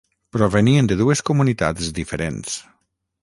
Provenien de dues comunitats diferents.